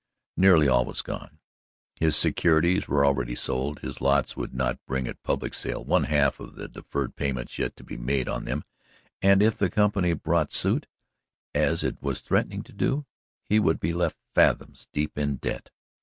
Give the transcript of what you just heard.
Nearly all was gone. His securities were already sold. His lots would not bring at public sale one half of the deferred payments yet to be made on them, and if the company brought suit, as it was threatening to do, he would be left fathoms deep in debt.